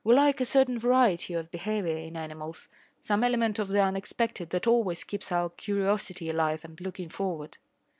We like a certain variety of behaviour in animals some element of the unexpected that always keeps our curiosity alive and looking forward.